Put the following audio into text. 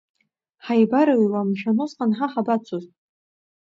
Ҳаибарыҩуа, мшәан, усҟан ҳа ҳабацоз?